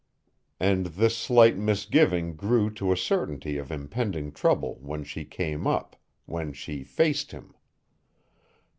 And this slight misgiving grew to a certainty of impending trouble when she came up, when she faced him.